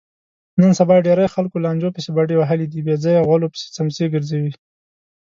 نن سبا ډېری خلکو لانجو پسې بډې وهلي دي، بېځایه غولو پسې څمڅې ګرځوي.